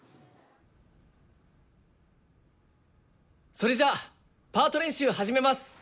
それじゃあパート練習始めます！